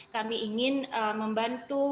kami ingin membantu